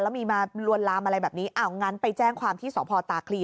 แล้วมีมาลวนลามอะไรแบบนี้อ้าวงั้นไปแจ้งความที่สพตาคลี